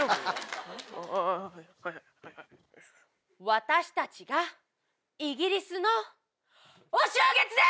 私たちがイギリスのお正月だ‼